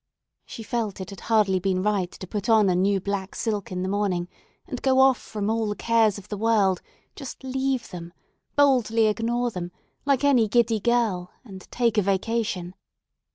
She felt it had hardly been right to put on a new black silk in the morning, and go off from all the cares of the world, just leave them, boldly ignore them, like any giddy girl, and take a vacation.